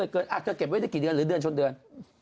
เธอเก็บไว้ได้กี่เดือนหรือเดือนชนเดือน